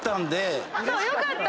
よかった。